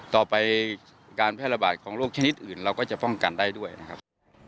ต่อไปการแพร่ระบาดของโรคชนิดอื่นเราก็จะป้องกันได้ด้วยนะครับ